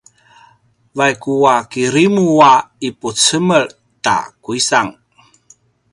vaiku a kirimu a ipucemel ta kuisang